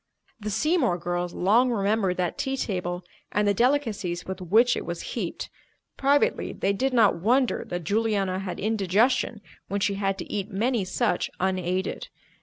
The Seymour girls long remembered that tea table and the delicacies with which it was heaped. Privately, they did not wonder that Juliana had indigestion when she had to eat many such unaided.